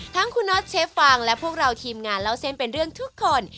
ทั้งคุณน็อตเชฟฟังและพวกเราทีมงานเล่าเส้นเป็นเรื่องทุกคน